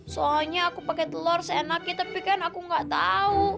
soalnya aku pakai telur seenaknya tapi kan aku gak tahu